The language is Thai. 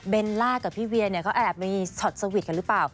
เบนล่ากับพี่เวียนเขาแอบมีสอดสวิตช์กันหรือเปล่า